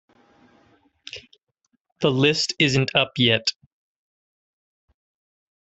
The list isn't up yet.